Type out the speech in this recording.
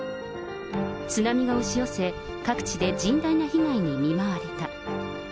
津波が押し寄せ、各地で甚大な被害に見舞われた。